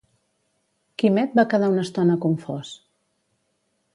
Quimet va quedar una estona confós.